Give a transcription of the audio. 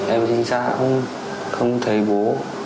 em sinh ra không thấy bố